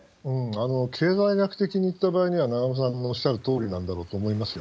経済学的にいくと、永濱さんのおっしゃるとおりなんだろうと思いますよ。